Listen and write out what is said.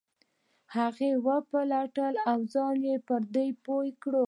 هغه وپلټو او ځانونه پر دې پوه کړو.